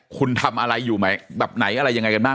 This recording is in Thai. คุณทำอะไรอยู่ไหมแบบไหนอะไรยังไงกันบ้าง